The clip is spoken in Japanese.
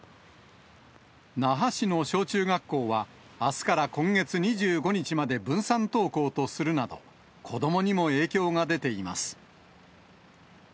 那覇市の小中学校は、あすから今月２５日まで分散登校とするなど、子どもにも影響が出ています。